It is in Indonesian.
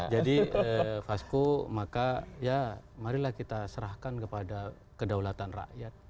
jadi fasku maka ya marilah kita serahkan kepada kedaulatan rakyat